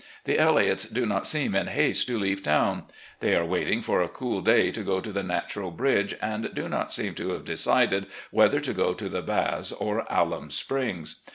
The Elliotts do not seem in haste to leave town. They are waiting for a cool day to go to the Natural Bridge, and do not seem to have decided whether to go to the Baths or Alum Springs.